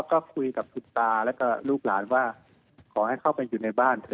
ก็คุยกับคุณตาแล้วก็ลูกหลานว่าขอให้เข้าไปอยู่ในบ้าน